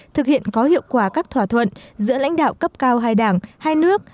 thực hiện có hiệu quả các thỏa thuận giữa lãnh đạo cấp cao hai đảng hai nước